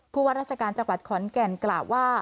ว่าราชการจังหวัดขอนแก่นกล่าวว่า